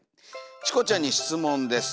「チコちゃんにしつ問です。